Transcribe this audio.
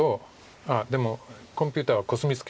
あっでもコンピューターはコスミツケ。